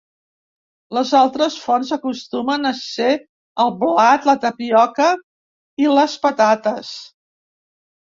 Les altres fonts acostumen a ser el blat, la tapioca, i les patates.